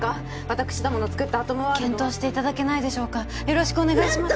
私どもの作ったアトムワールドは検討していただけないでしょうかよろしくお願いします